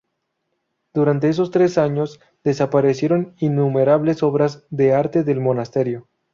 Durante esos tres años desaparecieron innumerables obras de arte del monasterio.